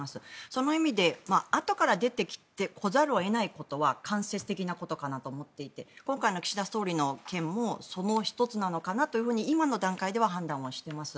その意味で、あとから出てこざるを得ないことは間接的なことかなと思っていて今回の岸田総理の件もその１つなのかなと今の段階では判断をしています。